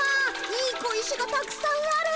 いい小石がたくさんある！